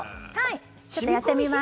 ちょっとやってみます。